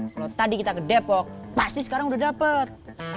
kalau tadi kita ke depok pasti sekarang udah dapet